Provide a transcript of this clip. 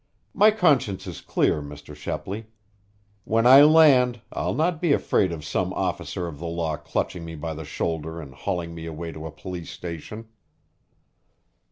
"My conscience is clear, Mr. Shepley. When I land, I'll not be afraid of some officer of the law clutching me by the shoulder and hauling me away to a police station."